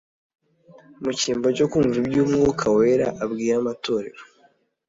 Mu cyimbo cyo kumva iby’Umwuka Wera abwira amatorero